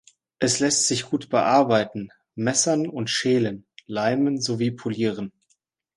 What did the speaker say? Es lässt sich gut bearbeiten, messern und schälen, leimen sowie polieren.